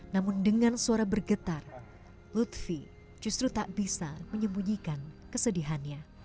namun dengan suara bergetar lutfi justru tak bisa menyembunyikan kesedihannya